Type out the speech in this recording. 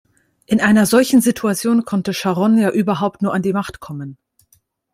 In einer solchen Situation konnte Scharon ja überhaupt nur an die Macht kommen.